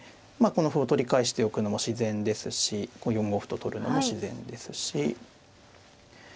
まあこの歩を取り返しておくのも自然ですしこう４五歩と取るのも自然ですし。